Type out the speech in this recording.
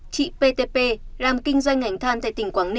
chị ptp làm kinh doanh ảnh than tại tp hcm